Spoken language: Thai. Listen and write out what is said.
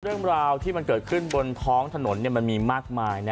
เรื่องราวที่มันเกิดขึ้นบนท้องถนนมันมีมากมาย